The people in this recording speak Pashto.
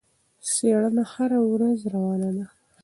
څېړنه هره ورځ روانه ده.